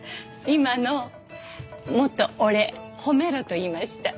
今の「もっと俺褒めろ」と言いました。